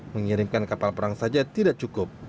mengirimkan kapal perang saja tidak cukup